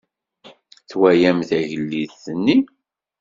Twalam tagellidt-nni?